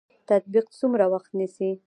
تطبیق څومره وخت نیسي؟